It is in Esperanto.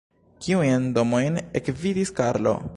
Kiujn domojn ekvidis Karlo?